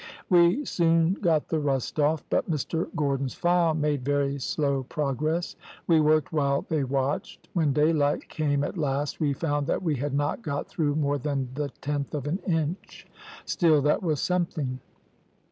We soon got the rust off; but Mr Gordon's file made very slow progress. We worked while they watched. When daylight came at last we found that we had not got through more than the tenth of an inch; still that was something.